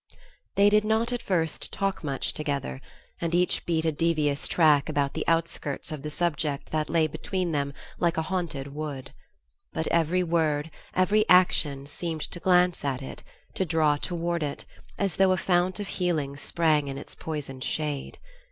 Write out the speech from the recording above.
They did not, at first, talk much together, and each beat a devious track about the outskirts of the subject that lay between them like a haunted wood. But every word, every action, seemed to glance at it, to draw toward it, as though a fount of healing sprang in its poisoned shade.